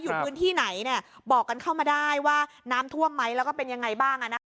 อยู่พื้นที่ไหนบอกกันเข้ามาได้ว่าน้ำท่วมไหมแล้วก็เป็นยังไงบ้าง